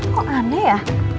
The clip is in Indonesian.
kok aneh ya